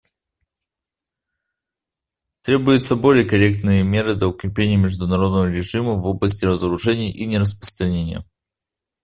Требуются более конкретные меры для укрепления международного режима в области разоружения и нераспространения.